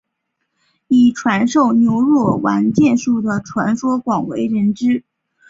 以传授牛若丸剑术的传说广为人知。